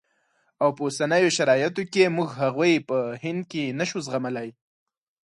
او په اوسنیو شرایطو کې موږ هغوی په هند کې نه شو زغملای.